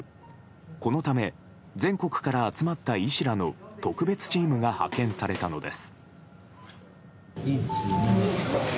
このため全国から集まった医師らの特別チームが派遣されたのです。